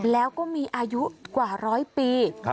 แล้วก็มีอายุกว่าร้อยปี